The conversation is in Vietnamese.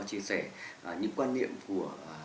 chia sẻ những quan niệm của